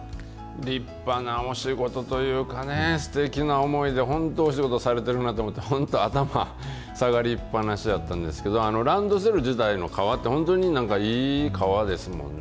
立派なお仕事というかね、すてきな思いで、本当にお仕事されていると思って、本当、頭下がりっぱなしやったんですけど、ランドセル自体の革って、本当にいい革ですもんね。